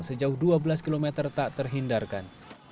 sejauh dua belas km tak terhindarkan